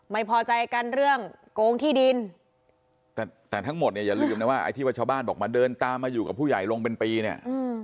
ไม่พอใจกันเรื่องโกงที่ดินแต่แต่ทั้งหมดเนี่ยอย่าลืมนะว่าไอ้ที่ว่าชาวบ้านบอกมาเดินตามมาอยู่กับผู้ใหญ่ลงเป็นปีเนี่ย